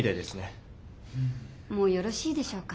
もうよろしいでしょうか？